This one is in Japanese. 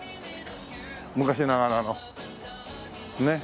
昔ながらのねっ。